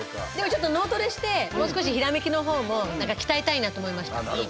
ちょっと脳トレしてもう少し、ひらめきのほうも鍛えたいなと思いました。